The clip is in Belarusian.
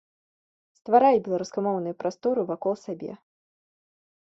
Стварай беларускамоўную прастору вакол сабе.